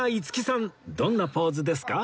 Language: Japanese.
どんなポーズですか？